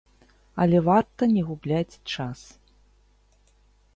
Але варта не губляць час.